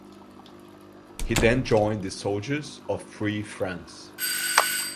He then joined the soldiers of Free France.